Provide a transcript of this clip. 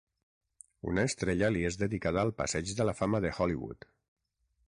Una estrella li és dedicada al Passeig de la Fama de Hollywood.